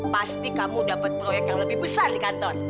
pasti kamu dapat proyek yang lebih besar di kantor